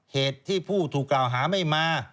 เหตุที่ผู้ถูกกล่าวหาไม่มา